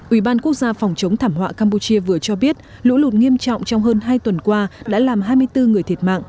ủy ban quốc gia phòng chống thảm họa campuchia vừa cho biết lũ lụt nghiêm trọng trong hơn hai tuần qua đã làm hai mươi bốn người thiệt mạng